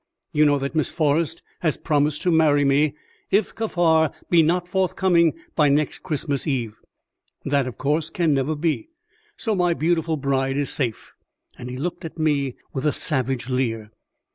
You know that Miss Forrest has promised to marry me if Kaffar be not forthcoming by next Christmas Eve. That, of course, can never be, so my beautiful bride is safe;" and he looked at me with a savage leer.